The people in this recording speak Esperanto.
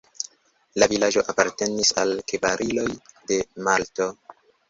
La vilaĝo apartenis al la kavaliroj de Malto.